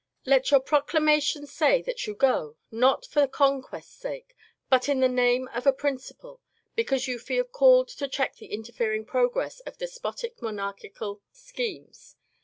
Let your proclamations say that you go, not for conquest's sake, but in the name of a principle, because you feel called to check the interfering progress of despotic monarchical schemes.